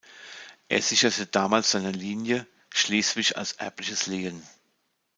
Er sicherte damit seiner Linie Schleswig als erbliches Lehen.